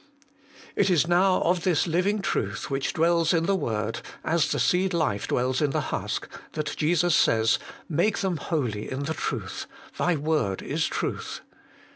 It is now of this living Truth, which dwells in the word, as the seed life dwells in the husk, that Jesus says, ' Make them holy in the Truth : Thy word is Truth.'